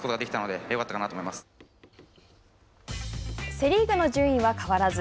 セ・リーグの順位は変わらず。